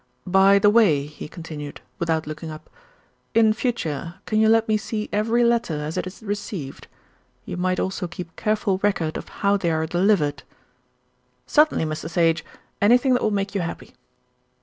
"By the way," he continued, without looking up, "in future can you let me see every letter as it is received? You might also keep careful record of how they are delivered." "Certainly, Mr. Sage. Anything that will make you happy."